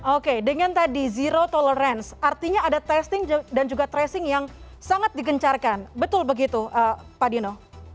oke dengan tadi zero tolerance artinya ada testing dan juga tracing yang sangat digencarkan betul begitu pak dino